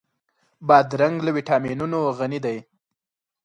بادرنګ له ويټامینونو غني دی.